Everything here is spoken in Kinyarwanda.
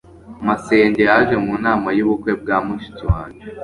Masenge yaje mu nama yubukwe bwa mushiki wanjye